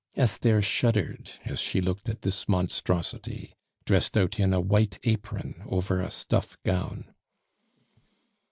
Esther shuddered as she looked at this monstrosity, dressed out in a white apron over a stuff gown.